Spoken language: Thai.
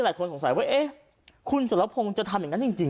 หลายคนสงสัยว่าเอ๊ะคุณสุรพงศ์จะทำอย่างนั้นจริง